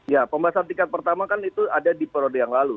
ya pembahasan tingkat pertama kan itu ada di periode yang lalu